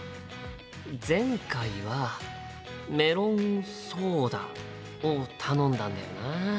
前回はメロンソーダを頼んだんだよな。